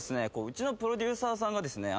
うちのプロデューサーさんがですね